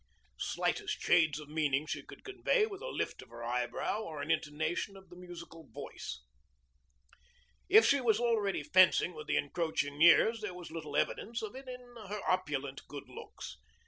Slightest shades of meaning she could convey with a lift of the eyebrow or an intonation of the musical voice. If she was already fencing with the encroaching years there was little evidence of it in her opulent good looks.